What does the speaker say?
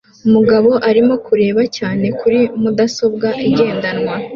Umugabo arimo kureba cyane kuri mudasobwa igendanwa